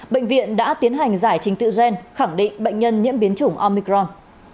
bệnh viện đã tiến hành giải trình tự gen khẳng định bệnh nhân nhiễm biến chủng omicron